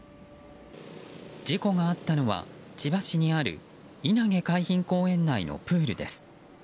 事故があったのは千葉市にある稲毛海浜公園内のプールです。